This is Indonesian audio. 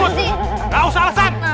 enggak usah alasan